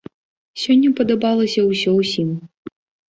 Сёння падабалася ўсё ўсім.